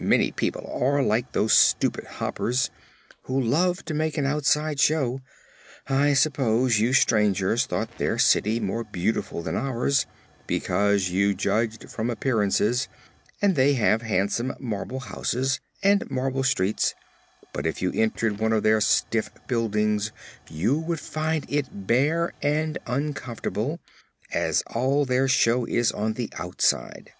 Many people are like those stupid Hoppers, who love to make an outside show. I suppose you strangers thought their city more beautiful than ours, because you judged from appearances and they have handsome marble houses and marble streets; but if you entered one of their stiff dwellings you would find it bare and uncomfortable, as all their show is on the outside.